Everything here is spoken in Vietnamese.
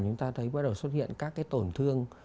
chúng ta thấy bắt đầu xuất hiện các cái tổn thương